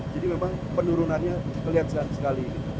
jadi memang penurunannya kelihatan sekali